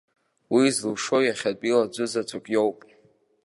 Уи зылшо иахьатәиала аӡәызаҵәык иоуп.